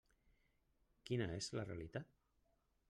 Quina és la realitat?